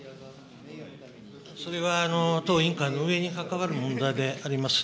それは当委員会の運営に関わる問題であります。